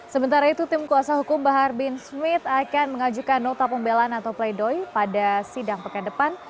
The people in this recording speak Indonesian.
sementara itu tim kuasa hukum bahar bin smith akan mengajukan nota pembelaan atau pleidoy pada sidang pekan depan